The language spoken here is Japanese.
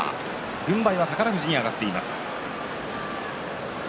軍配は宝富士に上がっています。